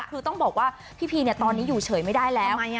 คือต้องบอกว่าพี่พีตอนนี้อยู่เฉยไม่ได้แล้ว